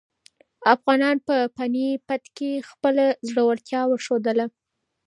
افغانانو په پاني پت کې خپله زړورتیا وښودله.